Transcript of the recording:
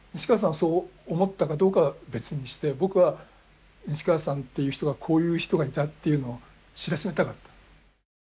そう思ったかどうかは別にして僕は西川さんっていう人がこういう人がいたっていうのを知らしめたかった。